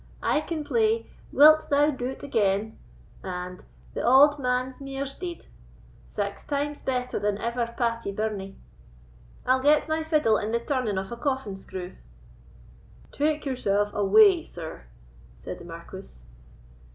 "I can play, 'Wilt thou do't again,' and 'The Auld Man's Mear's Dead,' sax times better than ever Patie Birnie. I'll get my fiddle in the turning of a coffin screw." "Take yourself away, sir," said the Marquis.